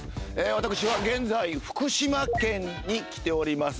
私は現在福島県に来ておりますが。